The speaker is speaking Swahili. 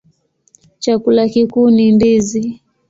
Chakula kikuu ni ndizi.